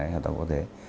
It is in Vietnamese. hợp tác quốc tế